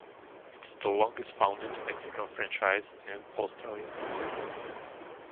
It is the longest founded Mexican franchise in Australia.